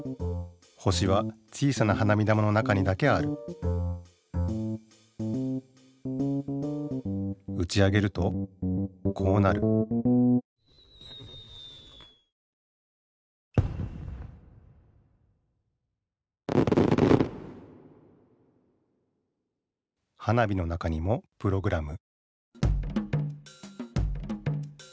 星は小さな花火玉の中にだけあるうち上げるとこうなる花火の中にもプログラム